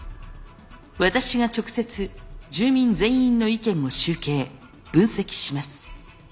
私が直接住民全員の意見を集計分析します。